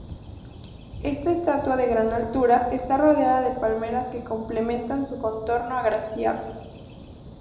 Esta estatua de gran altura, está rodeada de palmeras que complementan su contorno agraciado.